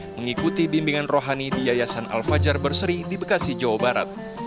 mengikuti bimbingan rohani di yayasan al fajar berseri di bekasi jawa barat